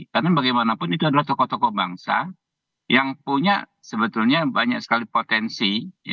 karena bagaimanapun itu adalah tokoh tokoh bangsa yang punya sebetulnya banyak sekali potensi